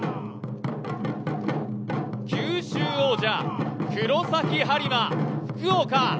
九州王者、黒崎播磨・福岡。